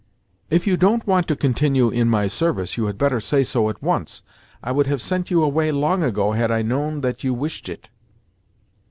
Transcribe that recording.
"If you don't want to continue in my service you had better say so at once. I would have sent you away long ago had I known that you wished it."